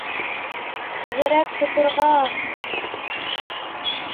— Тиҙерәк тоторға!